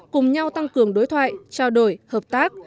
cùng nhau tăng cường đối thoại trao đổi hợp tác